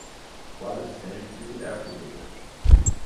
Quase sempre é a primeira.